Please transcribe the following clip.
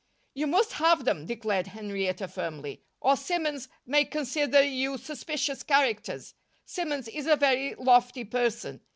"You must have them," declared Henrietta, firmly, "or Simmons may consider you suspicious characters. Simmons is a very lofty person.